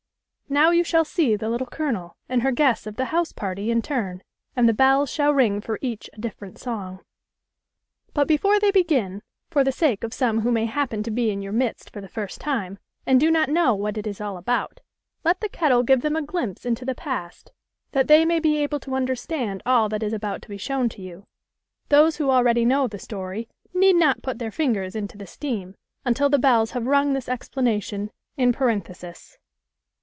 Now you shall see the Little Colonel and her guests of the house party in turn, and the bells shall ring for each a different song. But before they begin, for the sake of some who may happen to be in your midst for the first time, and do not know what it is all about, let the kettle give them a glimpse into the past, that they may be able to understand all that is about to be shown to you. Those who already know the story need not put their fingers into the steam, until the bells have rung this explanation in parenthesis.